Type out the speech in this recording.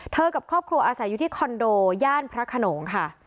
กับครอบครัวอาศัยอยู่ที่คอนโดย่านพระขนงค่ะ